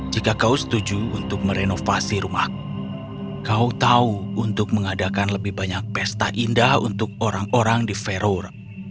jika kau setuju untuk merenovasi rumahku kau tahu untuk mengadakan lebih banyak pesta indah untuk orang orang di veror